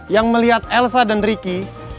yang melihat elsa dan riki